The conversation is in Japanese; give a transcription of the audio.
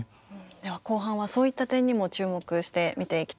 では後半はそういった点にも注目して見ていきたいと思います。